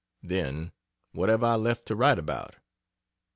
Then, what have I left to write about?